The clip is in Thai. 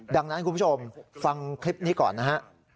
ดังนั้นคุณผู้ชมฟังคลิปนี้ก่อนนะฮะ